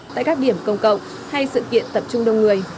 tại các điểm công cộng hay sự kiện tập trung đông người